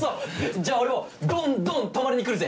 じゃあ俺もドンドン泊まりにくるぜ。